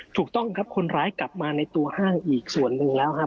ถูกต้องครับคนร้ายกลับมาในตัวห้างอีกส่วนหนึ่งแล้วฮะ